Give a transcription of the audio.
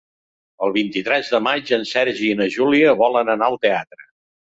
El vint-i-tres de maig en Sergi i na Júlia volen anar al teatre.